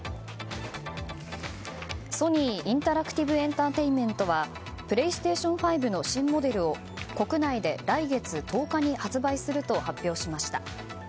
ソニー・インタラクティブエンタテインメントはＰｌａｙＳｔａｔｉｏｎ５の新モデルを国内で来月１０日に発売すると発表しました。